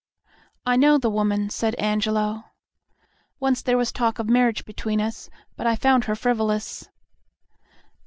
"I know the woman," said Angelo. "Once there was talk of marriage between us, but I found her frivolous."